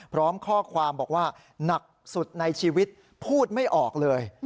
พร้อมข้อความบอกว่าหนักสุดในชีวิตพูดไม่ออกเลย